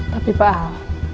tapi pak al